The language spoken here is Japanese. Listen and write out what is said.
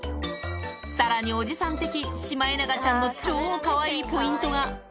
さらにおじさん的、シマエナガちゃんの超かわいいポイントが。